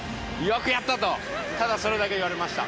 よくやったとただそれだけ言われました。